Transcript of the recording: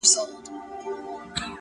نن شپه له رويا سره خبرې وکړه;